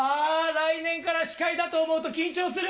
来年から司会だと思うと緊張する！